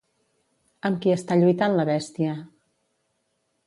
Amb qui està lluitant la bèstia?